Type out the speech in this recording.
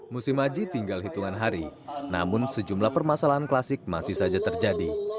musim haji tinggal hitungan hari namun sejumlah permasalahan klasik masih saja terjadi